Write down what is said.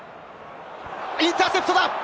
インターセプトだ！